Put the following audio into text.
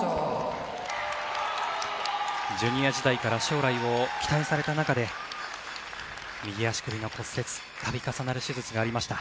ジュニア時代から将来を期待された中で右足首の骨折、度重なる手術がありました。